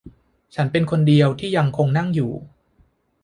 ฉันเป็นคนเดียวที่ยังคงนั่งอยู่